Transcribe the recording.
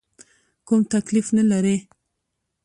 کوم تکلیف نه لرې؟